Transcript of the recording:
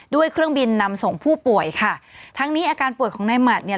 เครื่องบินนำส่งผู้ป่วยค่ะทั้งนี้อาการป่วยของนายหมัดเนี่ย